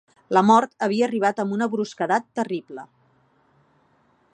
La mort havia arribat amb una brusquedat terrible.